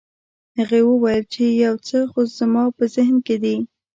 هغه وویل چې یو څه زما په ذهن کې دي.